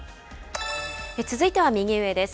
続いては右上です。